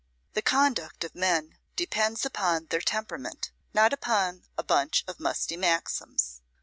The conduct of men depends upon their temperament, not upon a bunch of musty maxims.